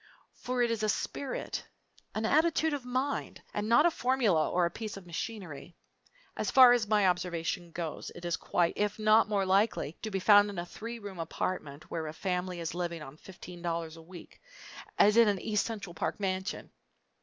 For it is a spirit, an attitude of mind, and not a formula or a piece of machinery. As far as my observation goes it is quite, if not more likely, to be found in a three room apartment, where a family is living on fifteen dollars a week, as in an East Central Park mansion!